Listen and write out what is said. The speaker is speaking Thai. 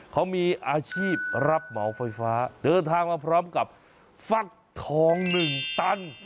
เขามีอาชีพรับเหมาไฟฟ้าเดินทางมาพร้อมกับฟักทอง๑ตัน